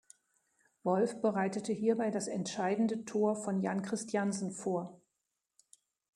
Wolf bereitete hierbei das entscheidende Tor von Jan Kristiansen vor.